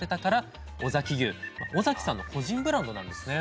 尾崎さんの個人ブランドなんですね。